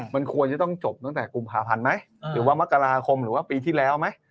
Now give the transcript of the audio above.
มันควรจะต้องจบตั้งแต่กุมภาพันธ์ไหมหรือว่ามกราคมหรือว่าปีที่แล้วไหม